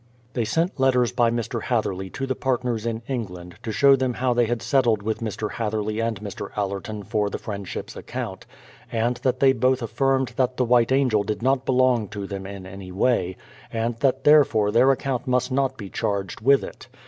. They sent letters by Mr. Hatherley to the partners in England, to show them how they had settled with Mr. Hatherley and Mr. Allerton for the Friendship's account, and that they both affirmed that tlie White Angel did not belong to them in any way, and that therefore their ac count must not be charged with it.